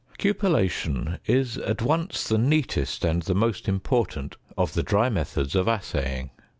~ Cupellation is at once the neatest and the most important of the dry methods of assaying.